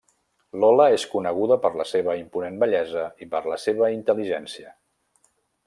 Lola és coneguda per la seva imponent bellesa i per la seva intel·ligència.